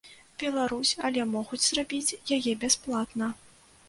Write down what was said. Беларусь, але могуць зрабіць яе бясплатна.